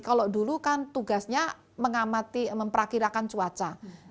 kalau dulu kan tugasnya mengamati memperkirakan cuaca